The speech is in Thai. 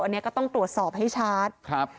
อันนี้ก็ต้องตรวจสอบให้ชัดครับ